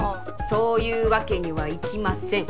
そういうわけにはいきません